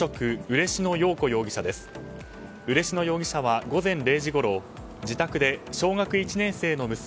嬉野容疑者は午前０時ごろ自宅で小学１年生の娘